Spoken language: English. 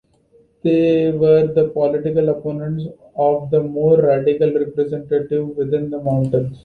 They were the political opponents of the more radical representatives within the Mountain.